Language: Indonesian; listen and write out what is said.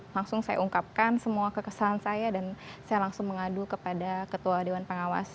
langsung saya ungkapkan semua kekesan saya dan saya langsung mengadu kepada ketua dewan pengawas